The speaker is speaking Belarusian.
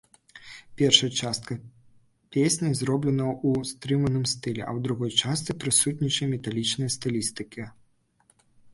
Першая частка песня зроблена ў стрыманым стылі, а ў другой частцы прысутнічае металічная стылістыка.